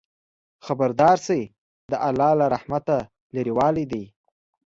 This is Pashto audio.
خبردار شئ! د الله له رحمته لرېوالی دی.